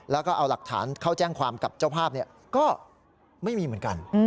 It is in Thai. แล้วก็เอาหลักฐานเข้าแจ้งความกับเจ้าภาพก็ไม่มีเหมือนกัน